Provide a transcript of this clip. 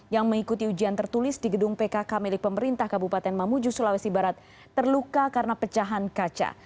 yang mengikuti ujian tertulis di gedung pkk milik pemerintah kabupaten mamuju sulawesi barat terluka karena pecahan kaca